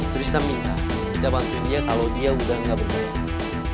tristan minta kita bantuin dia kalo dia udah gak berpengalaman